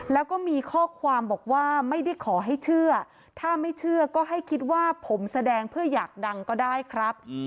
แล้วก็มีข้อความบอกว่าไม่ได้ขอให้เชื่อถ้าไม่เชื่อก็ให้คิดว่าผมแสดงเพื่ออยากดังก็ได้ครับ